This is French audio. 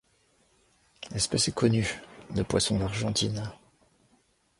L'espèce est connue de poissons d'Argentine.